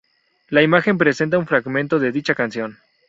La imagen presenta un fragmento de dicha canción.